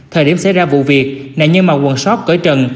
thời điểm xảy ra vụ việc nạn nhân màu quần sóc cởi trần